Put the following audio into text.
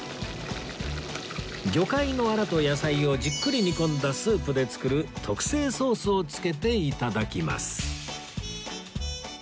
魚介のアラと野菜をじっくり煮込んだスープで作る特製ソースをつけて頂きます